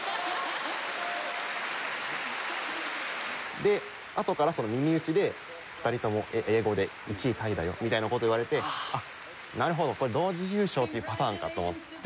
であとから耳打ちで２人とも英語で「１位タイだよ」みたいな事を言われてあっなるほどこれ同時優勝っていうパターンかと思って。